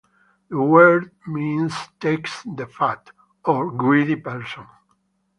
The word means "takes the fat," or "greedy person.